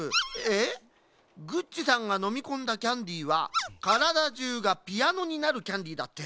「グッチさんがのみこんだキャンディーはからだじゅうがピアノになるキャンディー」だって？